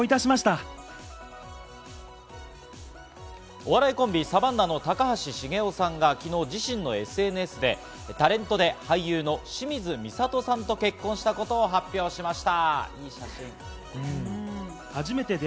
お笑いコンビ・サバンナの高橋茂雄さんが昨日、自身のＳＮＳでタレントで俳優の清水みさとさんと結婚したことを発表しました。